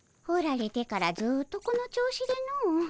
ふられてからずっとこの調子での。